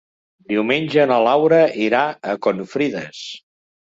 Diumenge na Laura irà a Confrides.